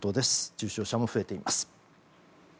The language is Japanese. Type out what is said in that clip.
重症者も増えています。